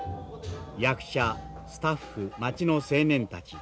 役者スタッフ町の青年たち。